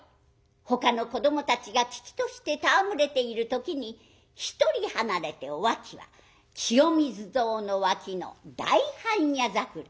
ほかの子どもたちが喜々として戯れている時に一人離れてお秋は清水堂の脇の大般若桜。